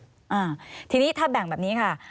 อ่าทีนี้ถ้าแบ่งแบบนี้ค่ะ